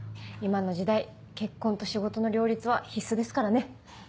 今の時代結婚と仕事の両立は必須ですからね。